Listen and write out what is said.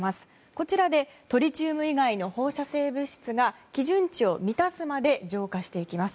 こちらでトリチウム以外の放射性物質が基準値を満たすまで浄化していきます。